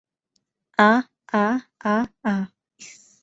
আহ-হাহ, আহ-হাহ।